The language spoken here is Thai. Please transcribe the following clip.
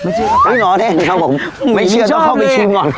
ไม่เชื่อก็กลับไปไม่ง้อแทนครับผมไม่เชื่อต้องเข้าไปชิมก่อนครับ